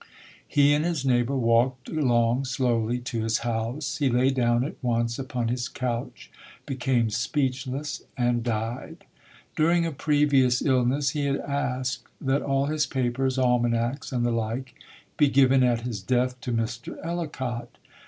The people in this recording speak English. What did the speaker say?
He and his neighbor walked along slowly to his house. He lay down at once upon his couch, became speechless and died. During a previous illness he had asked that all his papers, almanacs, and the like, be given at his death to Mr. Ellicott.